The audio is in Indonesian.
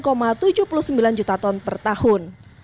produksinya mencapai sembilan tujuh puluh sembilan juta ton per tahun